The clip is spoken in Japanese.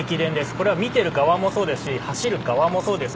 これは見ている側もそうですし走る側もそうです。